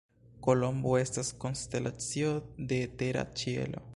Kolombo estas konstelacio de tera ĉielo.